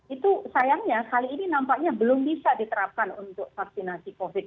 itu sayangnya kali ini nampaknya belum bisa diterapkan untuk vaksinasi covid